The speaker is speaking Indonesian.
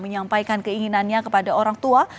menyampaikan keinginannya kepada orang tua